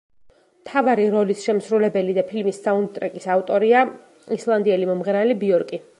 მთავარი როლის შემსრულებელი და ფილმის საუნდტრეკის ავტორია ისლანდიელი მომღერალი ბიორკი.